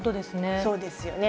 そうですよね。